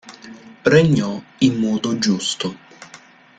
Regnò in modo giusto.